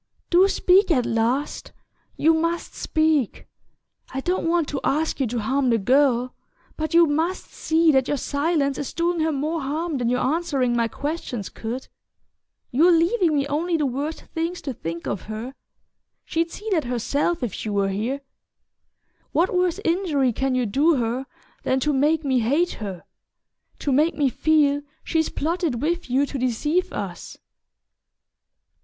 "Do speak at last you must speak! I don't want to ask you to harm the girl; but you must see that your silence is doing her more harm than your answering my questions could. You're leaving me only the worst things to think of her ... she'd see that herself if she were here. What worse injury can you do her than to make me hate her to make me feel she's plotted with you to deceive us?"